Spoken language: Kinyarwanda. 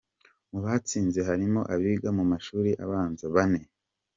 Mu batsinze harimo abiga mu mashuri abanza bane.